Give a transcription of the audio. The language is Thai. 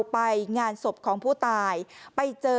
แม่ของแม่แม่ของแม่